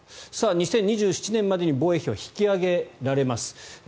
２０２７年までに防衛費は引き上げられます。